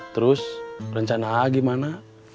terus rencana aak gimana